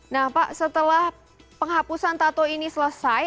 nah pak setelah penghapusan tato ini selesai